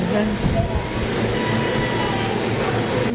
giờ phải chấp nhận